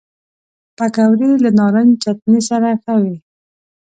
پکورې له نارنج چټني سره ښه وي